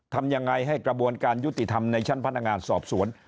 ทำยังไงให้กระบวนการยุติธรรมในชั้นพนักงานสอบสวน